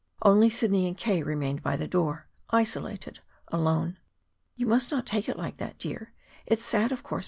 Only Sidney and K. remained by the door, isolated, alone. "You must not take it like that, dear. It's sad, of course.